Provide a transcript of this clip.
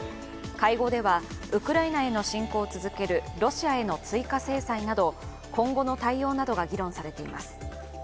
会合ではウクライナへの侵攻を続けるロシアへの追加制裁など、今後の対応などが議論されています。